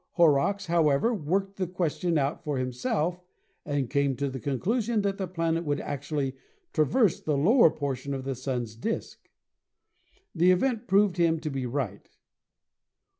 Horrocks, how ever, worked the question out for himself, and came to the conclusion that the planet would actually traverse the lower portion of the Sun's disk. The event proved him to be right.